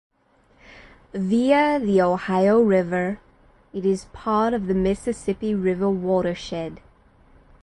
Via the Ohio River, it is part of the Mississippi River watershed.